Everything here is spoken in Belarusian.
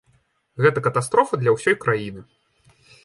Гэта катастрофа для ўсёй краіны.